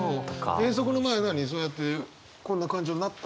遠足の前何そうやってこんな感情になった？